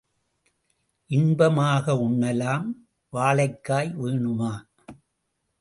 இன்பமாக உண்ணலாம் வாழைக்காய் வேணுமா?